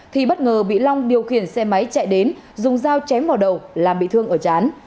thì bất ngờ bị long điều khiển xe máy chạy đến dùng dao chém vào đầu làm bị thương ở chán